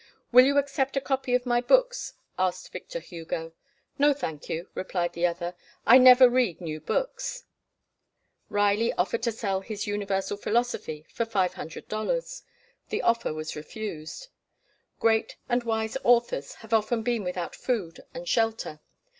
"Will you accept a copy of my books?" asked Victor Hugo. "No thank you," replied the other; "I never read new books." Riley offered to sell his "Universal Philosophy" for $500. The offer was refused. Great and wise authors have often been without food and shelter.